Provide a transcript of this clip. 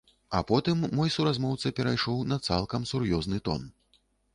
А потым мой суразмоўца перайшоў на цалкам сур'ёзны тон.